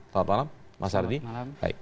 selamat malam mas ardy